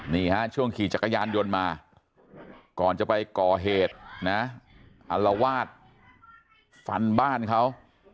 นี่ฮะช่วงขี่จักรยานยนต์มาก่อนจะไปก่อเหตุนะอัลวาดฟันบ้านเขา